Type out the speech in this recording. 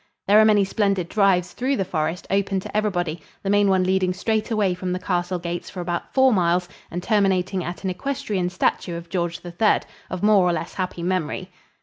There are many splendid drives through the forest open to everybody, the main one leading straight away from the castle gates for about four miles and terminating at an equestrian statue of George the Third, of more or less happy memory.